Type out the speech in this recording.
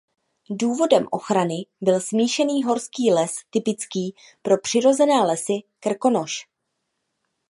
Důvodem ochrany byl smíšený horský les typický pro přirozené lesy Krkonoš.